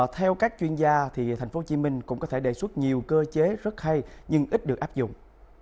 theo các chuyên gia tp hcm cũng có thể đề xuất nhiều cơ chế rất hay nhưng ít được áp dụng